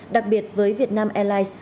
đặc biệt với việt nam airlines